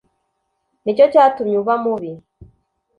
Ni cyo cyatumye uba mubi